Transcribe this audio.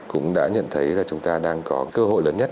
cũng đã nhận thấy là chúng ta đang có cơ hội lớn nhất